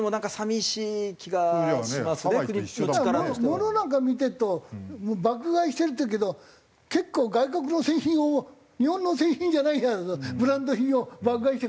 ものなんか見てると爆買いしてるっていうけど結構外国の製品を日本の製品じゃないブランド品を爆買いして帰っていって。